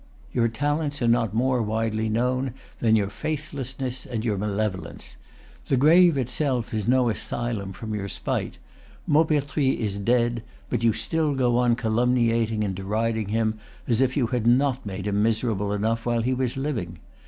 Your talents are not more widely known than your faithlessness and your malevolence. The grave itself is no asylum from your spite. Maupertuis is dead; but you still go on calumniating and deriding him, as if you had not made him miserable enough while he was living.